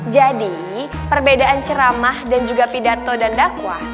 jadi perbedaan ceramah dan juga pidato dan dakwah